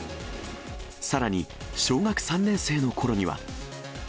さらに、小学３年生のころには。